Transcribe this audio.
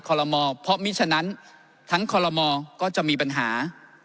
คอลโลมอล์เพราะมิฉะนั้นทั้งคอลโลมอล์ก็จะมีปัญหา